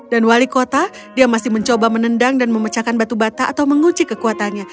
dan wali kota dia masih mencoba menendang dan memecahkan batu bata atau mengunci kekuatannya